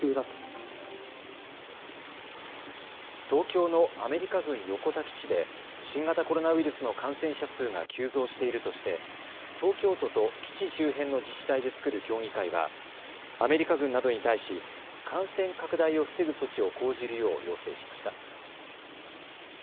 東京のアメリカ軍横田基地で新型コロナウイルスの感染者数が急増しているとして東京都と基地周辺の自治体で作る協議会はアメリカ軍などに対し感染拡大を防ぐ措置を講じるよう要請しました。